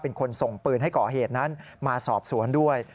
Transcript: เป็นคนส่งปืนให้ก่อเหตุนั้นมาสอบสวนด้วย